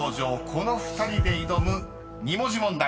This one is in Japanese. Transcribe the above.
［この２人で挑む２文字問題］